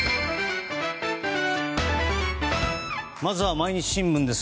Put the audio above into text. まずは毎日新聞です。